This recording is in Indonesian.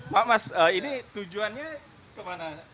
pak mas ini tujuannya kemana